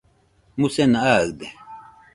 musena aɨde